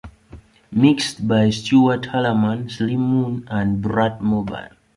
Mixed by Stuart Hallerman, Slim Moon, and Bratmobile.